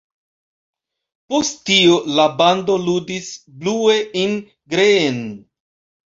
Post tio la bando ludis „Blue in Green”.